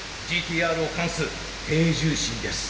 ＧＴ−Ｒを冠す低重心です。